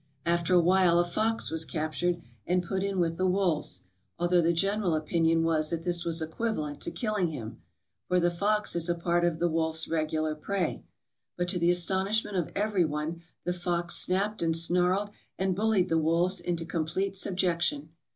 After a while a fox was captured, and put in with the wolves, although the general opinion was that this was equivalent to killing him, for the fox is a part of the wolf's regular prey; but to the astonishment of every one the fox snapped and snarled and bullied the wolves into com plete subjection.